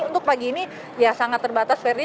untuk pagi ini ya sangat terbatas ferdi